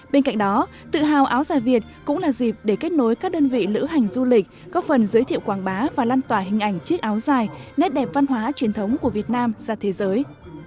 bên cạnh đó tự hào áo dài việt cũng là dịp để kết nối các đơn vị lữ hành du lịch góp phần giới thiệu quảng bá và lan tỏa hình ảnh chiếc áo dài nét đẹp văn hóa truyền thống của việt nam ra thế giới